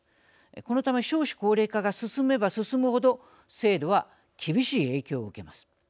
このため、少子高齢化が進めば進む程制度は厳しい影響を受けます。